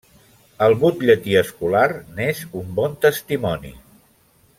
El Butlletí escolar n'és un bon testimoni.